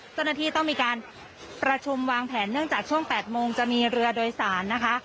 เจ้าหน้าที่ต้องมีการประชุมวางแผนเนื่องจากช่วง๘โมงจะมีเรือโดยสารนะคะ